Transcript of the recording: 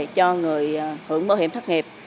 cho người hưởng bảo hiểm thất nghiệp